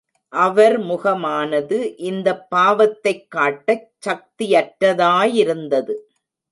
அவர் முகமானது இந்த பாவத்தைக் காட்டச் சக்தியற்றதாயிருந்தது.